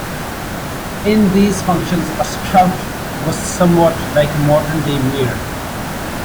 In these functions, a "schout" was somewhat like a modern-day mayor.